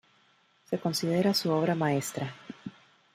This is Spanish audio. Se considera su obra maestra.